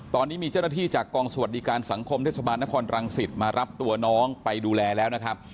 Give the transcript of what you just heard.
ตอนนี้มีเจ้าหน้าที่จากกองสวัสดิการสังคมเทศบาลนครรังสิตมารับตัวน้องไปดูแลแล้วนะครับ